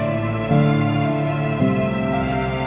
aku mau denger